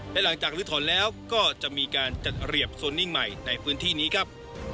และหลังจากลื้อถอนแล้วก็จะมีการจัดระเบียบโซนนิ่งใหม่ในพื้นที่นี้ครับ